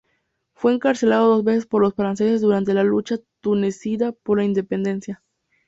Fue encarcelado dos veces por los franceses durante la lucha tunecina por la independencia.